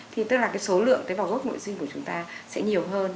thì tức là cái số lượng tế bào gốc nội sinh của chúng ta sẽ nhiều hơn